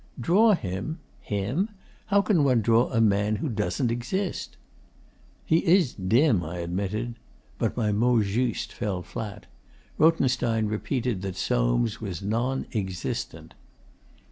'Draw him? Him? How can one draw a man who doesn't exist?' 'He is dim,' I admitted. But my mot juste fell flat. Rothenstein repeated that Soames was non existent.